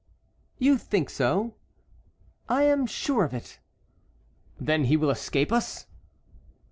"You think so?" "I am sure of it." "Then he will escape us?"